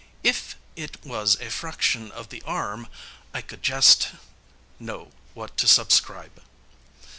If it was a fraction of the arm, I could jest know what to subscribe."